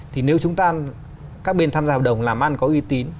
thì nếu chúng ta các bên tham gia hợp đồng làm ăn có uy tín